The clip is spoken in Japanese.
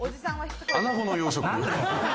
アナゴの養殖。